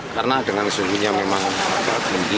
karena dengan suhunya memang tinggi